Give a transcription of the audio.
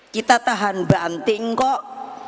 kita tahan banting kok